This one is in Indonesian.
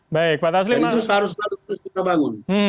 dan itu harus harus kita bangun